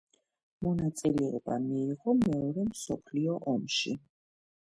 მონაწილეობა მიიღო მეორე მსოფლიო ომში.